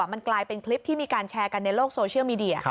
มันกลายเป็นคลิปที่มีการแชร์กันในโลกโซเชียลมีเดีย